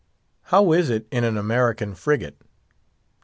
How is it in an American frigate?